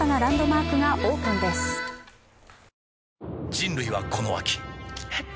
人類はこの秋えっ？